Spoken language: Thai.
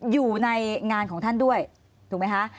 อยู่ในงานของท่านด้วยถูกไหมคะ